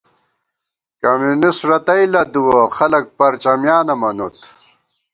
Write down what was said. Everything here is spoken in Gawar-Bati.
کمیونسٹ رتئ لدُوَہ ، خلک پرچمیانہ منوت